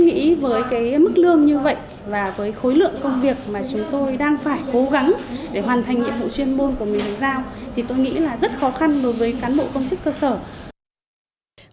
nhiệm vụ chuyên môn của mình là giao tôi nghĩ là rất khó khăn đối với cán bộ công chức cơ sở